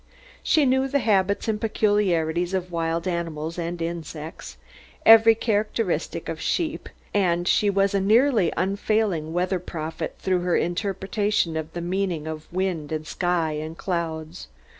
She knew the habits and peculiarities of wild animals and insects, every characteristic of sheep, and she was a nearly unfailing weather prophet through her interpretation of the meaning of wind and sky and clouds.